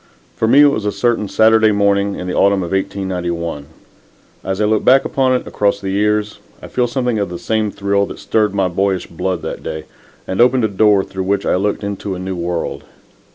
For me it was a certain Saturday morning in the autumn of 1891. As I look back upon it, across the years, I feel something of the same thrill that stirred my boyish blood that day and opened a door through which I looked into a new world.